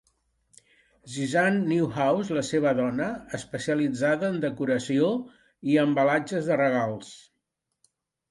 Suzanne Neuhaus, la seva dona, especialitzada en decoració i embalatge de regals.